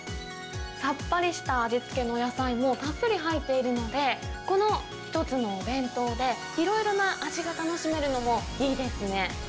さっぱりした味付けの野菜も、たっぷり入っているので、この１つのお弁当で、いろいろな味が楽しめるのもいいですね。